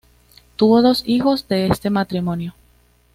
Tuvo dos hijos de este matrimonio.